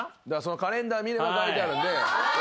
カレンダー見れば書いてあるんで。